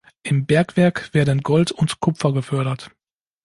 Im Bergwerk werden Gold und Kupfer gefördert.